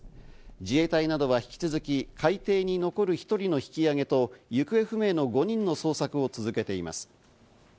自衛隊などは引き続き海底に残る１人の引き揚げと行方不明の５人の捜索を続けています。